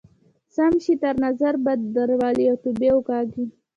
سم شی تر نظر بد درولئ او توبې وکاږئ.